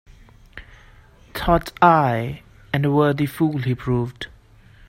Thought I, and a worthy fool he proved.